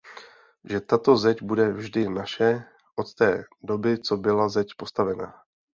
Že tato zeď bude vždy naše, od té doby co byla zeď postavena.